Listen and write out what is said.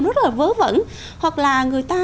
nó rất là vớ vẩn hoặc là người ta